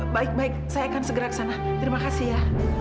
baik baik saya akan segera ke sana terima kasih ya